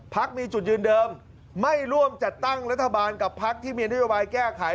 พักมีจุดยืนเดิมไม่ร่วมจัดตั้งรัฐบาลกับพักที่มีนโยบายแก้ไข